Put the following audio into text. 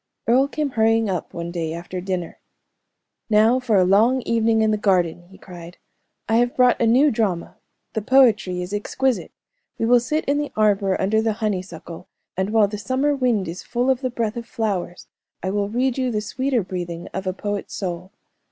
Earle came hurrying up one day after dinner. "Now for a long evening in the garden!" he cried. "I have brought a new drama; the poetry is exquisite. We will sit in the arbor under the honeysuckle, and while the summer wind is full of the breath of flowers, I will read you the sweeter breathing of a poet's soul.